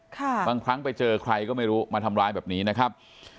บางครั้งไปเจอใครก็ไม่รู้มาทำร้ายแบบนี้นะครับ